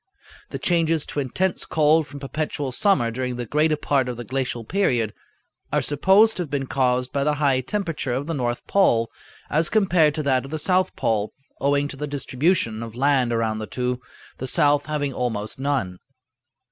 The changes to intense cold from perpetual summer during the greater part of the glacial period are supposed to have been caused by the high temperature of the north pole as compared to that of the south pole, owing to the distribution of land around the two, the south having almost none.